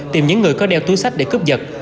tìm những người có đeo túi sách để cướp giật